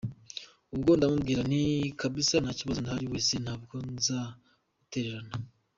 Ubwo ndamubwira nti kabisa nta kibazo ndahari wese ntabwo nzagutererana.